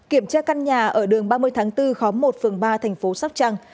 kiểm tra căn nhà ở đường ba mươi tháng bốn khóm một phường ba thành phố sóc trăng